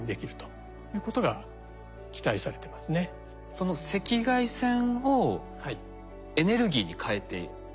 その赤外線をエネルギーに変えていく。